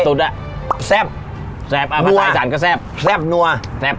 ตุ๊ดอ่ะแซ่บแซ่บอ่ะประสาทสารก็แซ่บแซ่บนัวแซ่บ